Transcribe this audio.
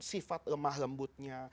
sifat lemah lembutnya